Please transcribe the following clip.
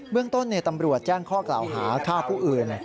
เรื่องต้นตำรวจแจ้งข้อกล่าวหาฆ่าผู้อื่น